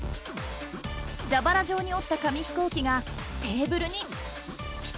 じゃばら状に折った紙飛行機がテーブルにピタリ！